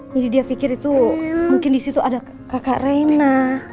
jadi dia pikir itu mungkin disitu ada kakak reina